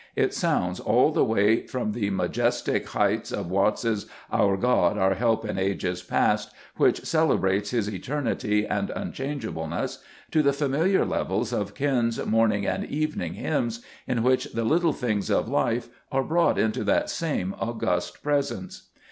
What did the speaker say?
It sounds all the way from the majestic heights of Watts' s " Our God, our Help in ages past," which celebrates His eternity and unchangeableness, to the familiar levels of Ken's morning and evening hymns, in which the little things of life are brought into that same august Presence.